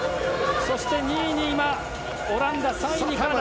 そして２位にオランダ３位にカナダ。